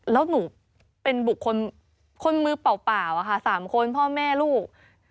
แล้วหนูเป็นบุคคลคนมือเปล่าค่ะ๓คนพ่อแม่ลูก